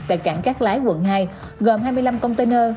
tại cảng cát lái quận hai gồm hai mươi năm container